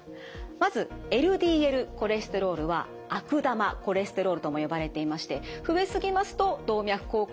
まずＬＤＬコレステロールは悪玉コレステロールとも呼ばれていまして増え過ぎますと動脈硬化を引き起こします。